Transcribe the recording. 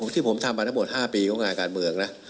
ที่ผมทำมาทั้งหมด๕ปีของงานการเมืองนะ